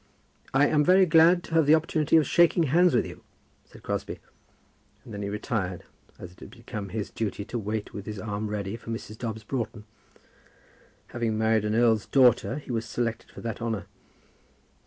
"I am very glad to have the opportunity of shaking hands with you," said Crosbie; and then he retired, as it had become his duty to wait with his arm ready for Mrs. Dobbs Broughton. Having married an earl's daughter he was selected for that honour.